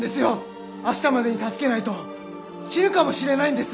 明日までに助けないと死ぬかもしれないんです！